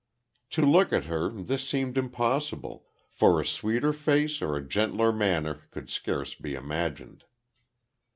To look at her, this seemed impossible, for a sweeter face or a gentler manner could scarce be imagined.